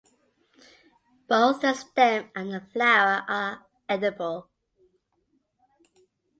Both the stem and the flower are edible.